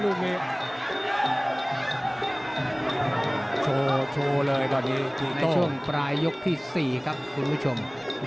โชว์โชว์โชว์เลยตอนนี้ตีโตในช่วงปลายยกที่สี่ครับคุณผู้ชม